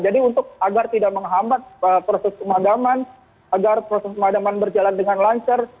jadi agar tidak menghambat proses pengadaman agar proses pengadaman berjalan dengan lancar